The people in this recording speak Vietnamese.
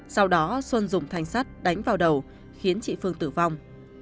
sau đó xuân dùng thanh sắt đánh vào đầu khiến chị phương tử vong